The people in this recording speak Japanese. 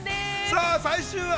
◆さあ、最終話。